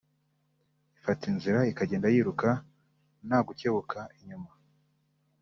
ifata inzira ikagenda yiruka ntagukebuka inyuma